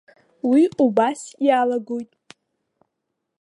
Уи убас иалагоит.